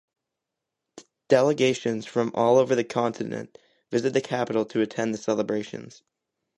Delegations from all over the continent visit the capital to attend the celebrations.